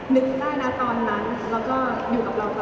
นึกได้นะตอนนั้นแล้วก็อยู่กับเราต่อ